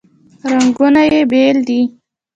رنګونه یې بیل دي.